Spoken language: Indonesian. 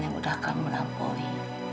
yang udah kamu melampaui